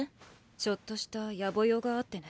ちょっとした野暮用があってね。